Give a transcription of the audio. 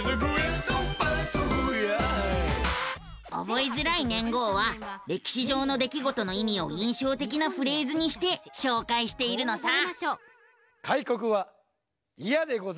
覚えづらい年号は歴史上の出来事の意味を印象的なフレーズにして紹介しているのさ。